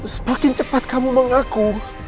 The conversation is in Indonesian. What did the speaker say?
semakin cepat kamu mengaku